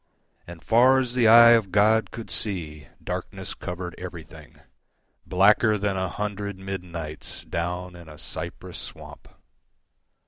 And far as the eye of God could seeDarkness covered everything, Blacker than a hundred midnightsDown in a cypress swamp.